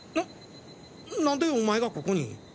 な何でおまえがここに？